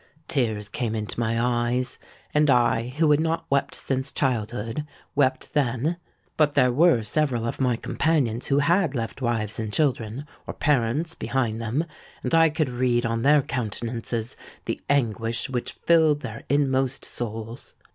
Tears came into my eyes; and I, who had not wept since childhood, wept then. But there were several of my companions who had left wives and children, or parents, behind them; and I could read on their countenances the anguish which filled their inmost souls!